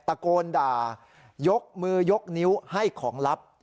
ตะโกนด่ายกมือยกนิ้วให้ของลับ